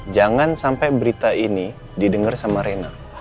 jangan sampai berita ini didengar sama reinhard